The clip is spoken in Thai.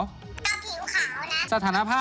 ปัจจุบันทำงานอะไร